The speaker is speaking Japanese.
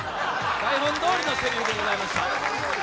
台本どおりのせりふでございました。